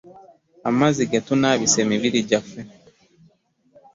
Amazzi getunabisa emibiri gyaffe.